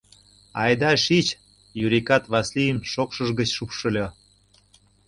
— Айда шич, — Юрикат Васлийым шокшыж гыч шупшыльо.